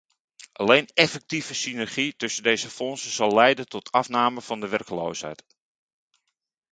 Alleen effectieve synergie tussen deze fondsen zal leiden tot afname van de werkeloosheid.